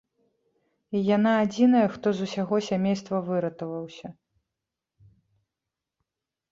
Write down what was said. І яна адзіная, хто з усяго сямейства выратаваўся.